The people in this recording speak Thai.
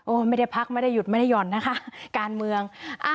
ไม่ได้พักไม่ได้หยุดไม่ได้หย่อนนะคะการเมือง